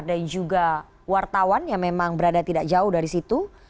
juga wartawan yang memang berada tidak jauh dari situ